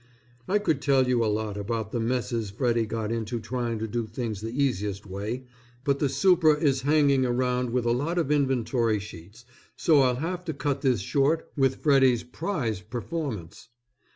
I could tell you a lot about the messes Freddy got into trying to do things the easiest way, but the super. is hanging around with a lot of inventory sheets so I'll have to cut this short with Freddy's prize performance.